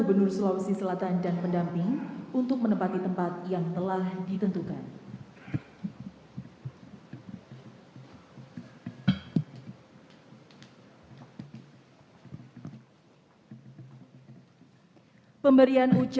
perhatikan itu yang indah sekali